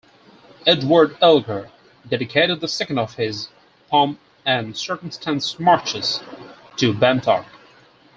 Edward Elgar dedicated the second of his "Pomp and Circumstance Marches" to Bantock.